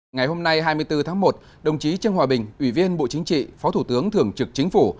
ngày hôm nay hai mươi bốn tháng một đồng chí trương hòa bình ủy viên bộ chính trị phó thủ tướng thường trực chính phủ